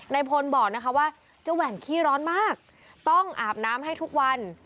พลบอกนะคะว่าเจ้าแหว่งขี้ร้อนมากต้องอาบน้ำให้ทุกวัน